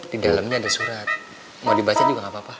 di dalamnya ada surat mau dibaca juga gak apa apa